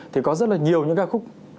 thì có rất là nhiều những ca khúc